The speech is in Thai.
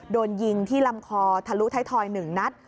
โดนยิงที่ลำคอทะลุท้ายทอย๑นัด